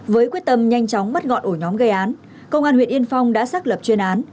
với quyết tâm nhanh chóng bắt ngọn ổ nhóm gây án công an huyện yên phong đã xác lập chuyên án